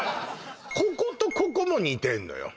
こことここも似てんのよ・